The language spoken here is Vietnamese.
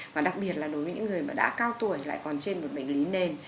và đặc biệt là đối với những người mà đã cao tuổi lại còn trên một bệnh lý nền